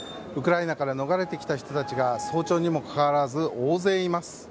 ウクライナから逃れてきた人たちが早朝にもかかわらず大勢います。